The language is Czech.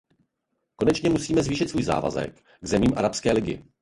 Konečně musíme zvýšit svůj závazek k zemím Arabské ligy.